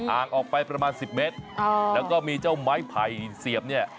อ่างออกไปประมาณสิบเมตรแล้วก็มีเจ้าไม้ไผ่เสียบเนี่ย